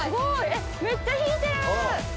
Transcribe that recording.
めっちゃ引いてる。